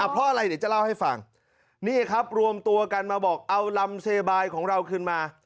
เพราะอะไรเดี๋ยวจะเล่าให้ฟังนี่ครับรวมตัวกันมาบอกเอาลำเซบายของเราขึ้นมา